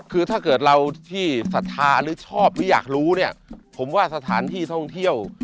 คือถ้าเกิดเราที่สทาชอบที่อยากรู้เนี่ยผมว่าสถานที่ท่องเที่ยว